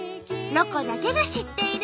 「ロコだけが知っている」。